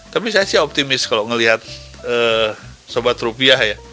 tapi saya sih optimis kalau ngelihat sobat rupiah ya